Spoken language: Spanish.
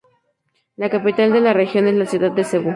La capital de la región es la ciudad de Cebú.